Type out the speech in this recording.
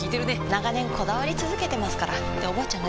長年こだわり続けてますからっておばあちゃん